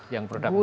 yang produk kemasan